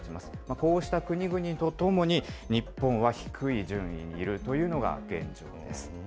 こうした国々とともに、日本は低い順位にいるというのが現状です。